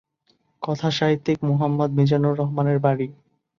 কথাসাহিত্যিক মুহাম্মদ মিজানুর রহমান এর বাড়ী